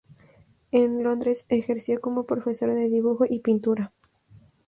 En Londres, ejerció como profesor de dibujo y pintura.